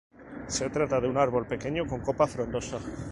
Se trata de un árbol pequeño con una copa frondosa.